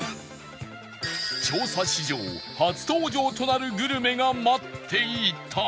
調査史上初登場となるグルメが待っていた